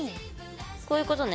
こういうことね。